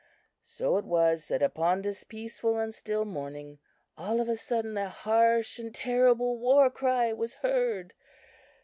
"So it was that upon this peaceful and still morning, all of a sudden a harsh and terrible war cry was heard!